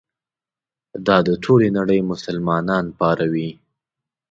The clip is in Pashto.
دا د ټولې نړۍ مسلمانان پاروي.